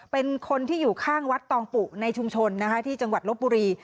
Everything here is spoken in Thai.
เป็นคนที่อยู่ข้างวัดตองปุในชุมชนนะคะที่จังหวัดลบบุรี